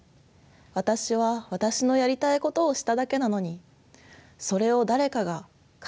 私は私のやりたいことをしただけなのにそれを誰かが勝手に喜んでくれる。